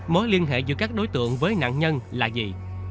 mối liên hệ giữa các đối tượng với nạn nhân là gì